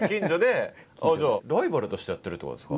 あっじゃあライバルとしてやってるってことですか？